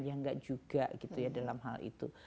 ya nggak juga gitu ya dalam hal itu